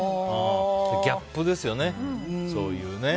ギャップですよね。